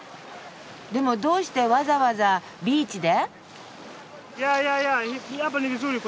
でもどうしてわざわざビーチで？